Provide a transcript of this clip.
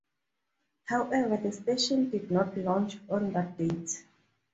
However, the station did not launch on that date.